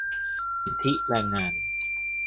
สิทธิแรงงาน